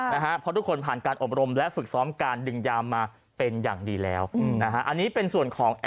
เพราะทุกคนผ่านการอบรมและฝึกซ้อมการดึงยามมาเป็นอย่างดีแล้ว